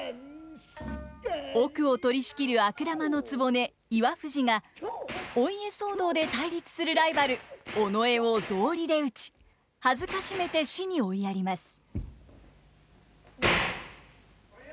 奥を取りしきる悪玉の局岩藤がお家騒動で対立するライバル尾上を草履で打ち辱めて死に追いやります。